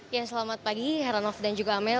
ya selamat pagi heranov dan juga amel